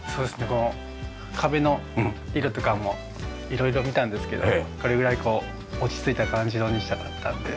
この壁の色とかも色々見たんですけどこれぐらい落ち着いた感じの色にしたかったので。